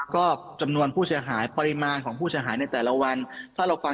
ก็จำนวนผู้เสียหายปริมาณของผู้เสียหายในแต่ละวันถ้าเราฟัง